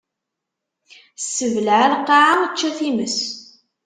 Ssebleɛ a lqaɛa, ečč a times!